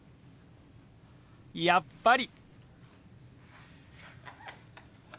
やっぱり！